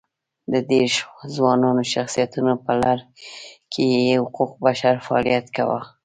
د دېرش ځوانو شخصیتونو په لړ کې یې حقوق بشر فعالیت کاوه.